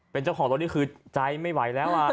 เป็นเจ้าของรถนี่คือใจไม่ไหวแล้ว